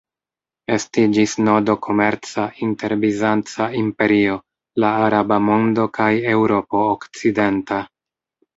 Estiĝis nodo komerca inter Bizanca imperio, la araba mondo kaj Eŭropo okcidenta.